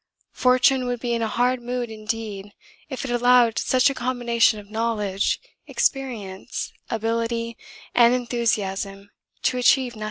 Fortune would be in a hard mood indeed if it allowed such a combination of knowledge, experience, ability, and enthusiasm to achieve nothing.'